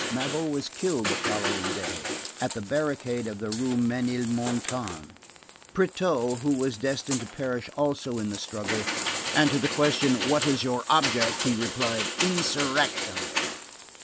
Mavot was killed on the following day at the barricade of the Rue Ménilmontant. Pretot, who was destined to perish also in the struggle, seconded Mavot, and to the question: "What is your object?" he replied: _"Insurrection."